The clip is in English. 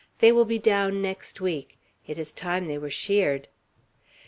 They will be down next week. It is time they were sheared."